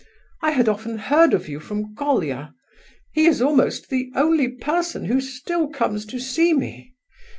I had often heard of you from Colia; he is almost the only person who still comes to see me.